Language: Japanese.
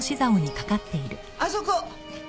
あそこ。